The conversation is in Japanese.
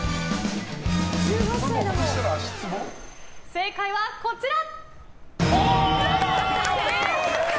正解は、こちら！